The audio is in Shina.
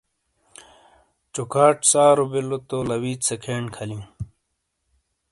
چوکھاٹ سارو بِیلو تو لَویت سے کھین کھالِیوں۔